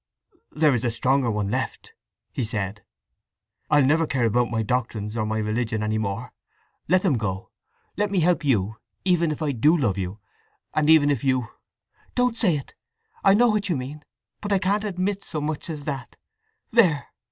"There is a stronger one left!" he said. "I'll never care about my doctrines or my religion any more! Let them go! Let me help you, even if I do love you, and even if you…" "Don't say it!—I know what you mean; but I can't admit so much as that. There!